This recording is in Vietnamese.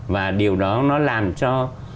và điều đó nó làm cho